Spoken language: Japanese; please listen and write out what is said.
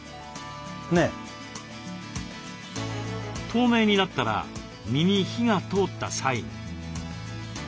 透明になったら身に火が通ったサイン。